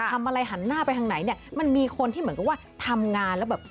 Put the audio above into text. หันหน้าไปทางไหนเนี่ยมันมีคนที่เหมือนกับว่าทำงานแล้วแบบ